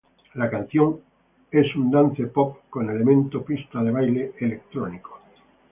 La canción es un dance-pop con elementos pista de baile electrónicos.